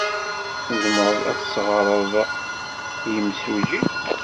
Tzemred ad as-teɣred i yemsujji?